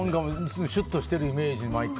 シュッとしてるイメージ、毎回。